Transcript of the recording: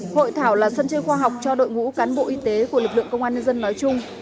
hội thảo là sân chơi khoa học cho đội ngũ cán bộ y tế của lực lượng công an nhân dân nói chung